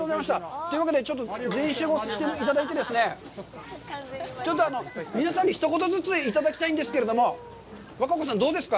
というわけで、ちょっと全員集合していただいてですね、ちょっと皆さんに一言ずつ、いただきたいんですけども、稚子さんどうですか？